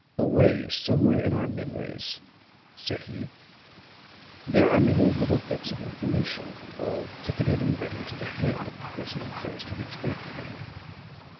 "Away somewhere in our memories," said he, "there are many little bits of information all ticketed and ready to the hand of the person who cares to reach back for them.